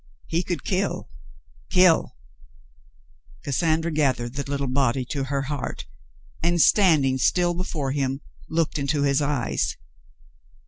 He could kill, kill ! Cassandra gathered the little body to her heart and, standing still before him, looked into his eyes.